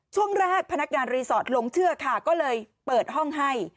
ช่วงแรกพนักงานรีสอร์ทหลงเชื่อค่ะก็เลยเปิดห้องให้